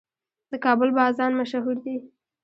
د کابل بازان مشهور دي